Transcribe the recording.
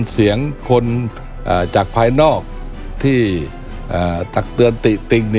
เสียงคนจากภายนอกที่ตักเตือนติติติ่ง